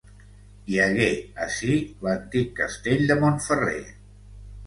Hi hagué, ací, l'antic castell de Montferrer.